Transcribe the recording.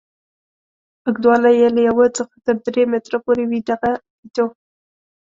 اوږدوالی یې له یوه څخه تر درې متره پورې وي دغه فیتو.